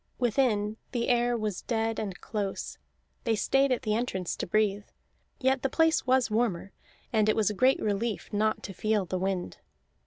Within, the air was dead and close; they stayed at the entrance to breathe, yet the place was warmer, and it was a great relief not to feel the wind.